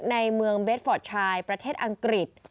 ในเมืองเบสฟอร์ตชายประเทศอังกฤษ